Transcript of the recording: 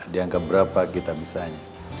di angka berapa kita bisa